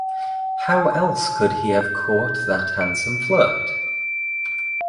How else could he have caught that handsome flirt?